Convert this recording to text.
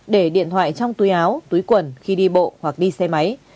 để điện thoại trong túi áo túi quần khi đi bộ hoặc đi xe máy